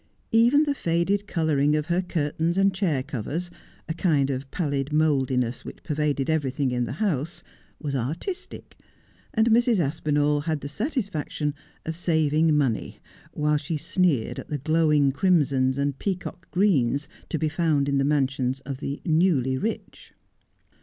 Even the faded colouring of her curtains and chair covers, a kind of pallid mouldiness which pervaded everything in the house, was artistic ; and Mrs. Aspinall had the satisfaction of saving money, while she sneered at the glowing crimsons and peacock greens to be found in the mansions of the newly rich.